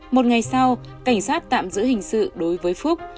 một ngày sau cảnh sát tạm giữ hình sự đối với phúc